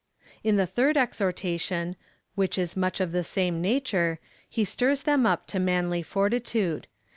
In the third exhortation, w^hich is much of the same na ture, he stirs them up to manly fortitude.